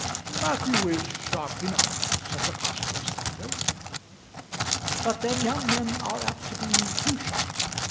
"Matthew is sharp enough," said the prosperous father. "But then young men are apt to be too sharp.